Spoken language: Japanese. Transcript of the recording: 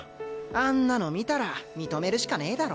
あんなの見たら認めるしかねえだろ。